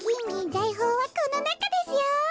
ざいほうはこのなかですよ。